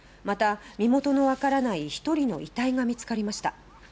また、身元の分からない１人の遺体が見つかりました。